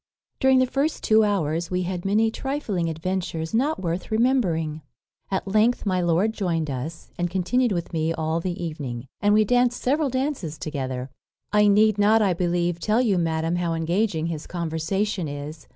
During the first two hours we had many trifling adventures not worth remembering. At length my lord joined us, and continued with me all the evening; and we danced several dances together. "I need not, I believe, tell you, madam, how engaging his conversation is.